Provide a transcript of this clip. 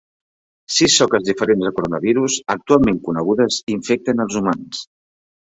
Sis soques diferents de coronavirus actualment conegudes infecten els humans.